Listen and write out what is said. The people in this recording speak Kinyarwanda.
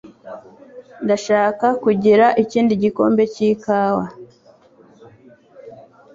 Ndashaka kugira ikindi gikombe cy'ikawa.